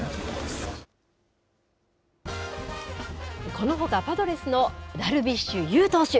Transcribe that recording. このほか、パドレスのダルビッシュ有投手。